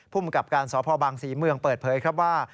ภูมิกับการสพบางศรีเมืองเปิดเผยครับว่า